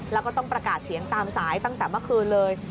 แล้วก็ต้องประกาศเสียงตามสายตั้งแต่เมื่อคืนเลย